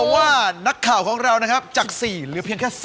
ว่านักข่าวของเรานะครับจาก๔เหลือเพียงแค่๔